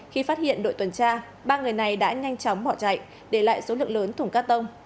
khi phát hiện đội tuần tra ba người này đã nhanh chóng bỏ chạy để lại số lượng lớn thùng cát tông